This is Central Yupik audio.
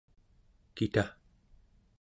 kita